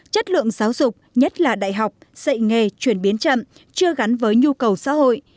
chất lượng giáo dục nhất là đại học dạy nghề chuyển biến chậm chưa gắn với nhu cầu xã hội